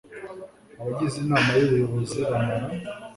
abagize inama y ubuyobozi bamara